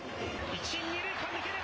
１、２塁間、抜ける。